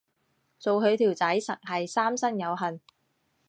做佢條仔實係三生有幸